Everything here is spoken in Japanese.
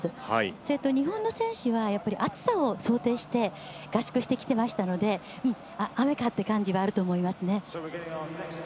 それと日本の選手は暑さを想定して合宿してきていましたので雨かっていう感じはあると思いますね。